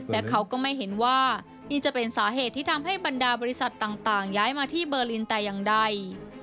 และเขาก็ไม่เห็นว่านี่จะเป็นสาเหตุที่ทำให้บรรดาบริษัทต่างย้ายมาที่เบอร์ลินแต่อย่างใด